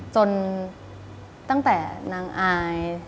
จนตั้งแต่นางอาย